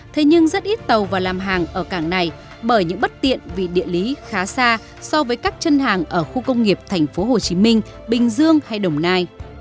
thế nhưng rất ít tàu vào làm hàng ở cảng này bởi những bất tiện vì địa lý khá xa so với các chân hàng ở khu công nghiệp tp hcm bình dương hay đồng nai